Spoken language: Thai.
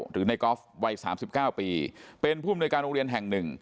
หรือนายกอล์ฟวัยสามสิบเก้าปีเป็นผู้บริเวณการโรงเรียนแห่งหนึ่ง